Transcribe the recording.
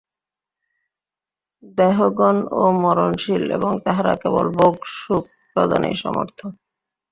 দেহগণও মরণশীল এবং তাঁহারা কেবল ভোগ সুখ-প্রদানেই সমর্থ।